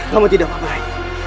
kamu tidak apa apa rai